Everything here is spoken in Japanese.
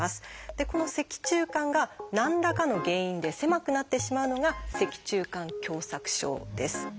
でこの脊柱管が何らかの原因で狭くなってしまうのが「脊柱管狭窄症」です。